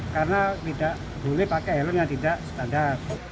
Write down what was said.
karena tidak boleh pakai helm yang tidak standar